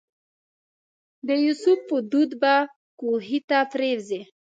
د یوسف په دود به کوهي ته پرېوځي.